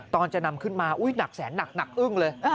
ตอนจะนำขึ้นมาหนักอึ้งเลย